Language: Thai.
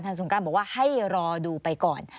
สงการบอกว่าให้รอดูไปก่อน